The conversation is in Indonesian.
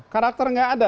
karakter gak ada